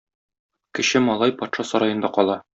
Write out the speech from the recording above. Кече малай патша сараенда кала.